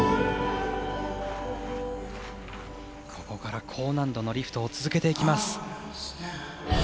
ここから高難度のリフトを続けていきます。